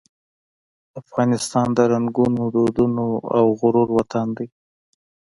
افغانستان د رنګونو، دودونو او غرور وطن دی.